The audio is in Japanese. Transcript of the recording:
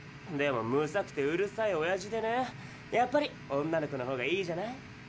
でもむさくてうるさいおやじでねやっぱり女の子の方がいいじゃない。